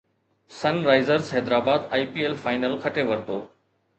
سن Risers Hyderabad I P L final کٽي ورتو